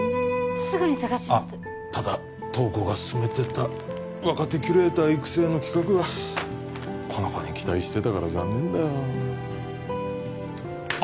すぐに探しますあっただ瞳子がすすめてた若手キュレーター育成の企画はこの子に期待してたから残念だよなあ